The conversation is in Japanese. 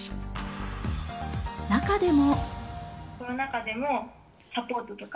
中でも。